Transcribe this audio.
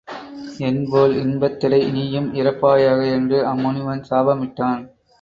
என்போல் இன்பத்திடை நீயும் இறப்பாயாக என்று அம்முனிவன் சாபமிட்டான்.